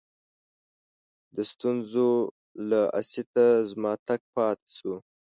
د ستونزو له آسیته زما تګ پاته سو.